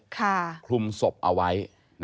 คลุมศพเอาไว้